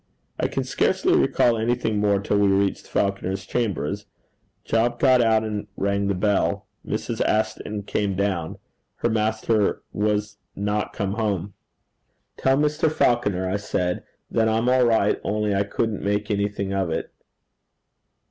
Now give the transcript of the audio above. I can scarcely recall anything more till we reached Falconer's chambers. Job got out and rang the bell. Mrs. Ashton came down. Her master was not come home. 'Tell Mr. Falconer,' I said, 'that I'm all right, only I couldn't make anything of it.'